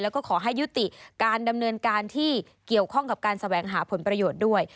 แล้วก็ขอให้ยุติการดำเนินการที่เกี่ยวข้องกับการแสวงหาผลประโยชน์ด้วย